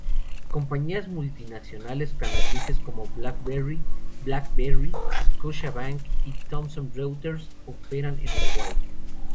Compañías multinacionales canadienses, como BlackBerry, BlackBerry, Scotiabank y Thomson Reuters operan en Uruguay.